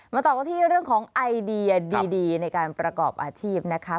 ต่อกันที่เรื่องของไอเดียดีในการประกอบอาชีพนะคะ